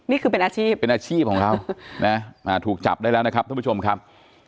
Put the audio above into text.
นี่คือเป็นอาชีพเป็นอาชีพของเขานะถูกจับได้แล้วนะครับท่านผู้ชมครับ